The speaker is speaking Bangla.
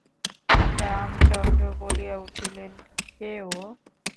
রামচন্দ্র বলিয়া উঠিলেন, কে ও?